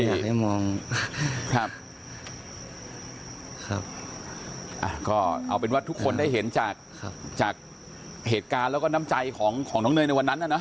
อยากได้มองครับครับอ่ะก็เอาเป็นว่าทุกคนได้เห็นจากจากเหตุการณ์แล้วก็น้ำใจของของน้องเนยในวันนั้นน่ะนะ